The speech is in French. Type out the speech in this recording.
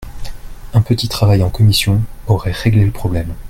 Un petit travail en commission aurait réglé le problème.